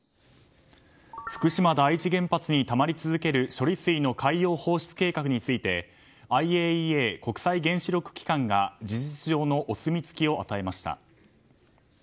福島第一原発にたまり続ける処理水の海洋放出計画についてＩＡＥＡ・国際原子力機関が事実上のお墨付きを与えました。